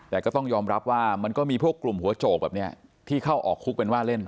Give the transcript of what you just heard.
แต่ก็ต้องยอมรับว่ามันก็มีพวกกลุ่มหัวโจกแบบนี้ที่เข้าออกคุกเป็นว่าเล่น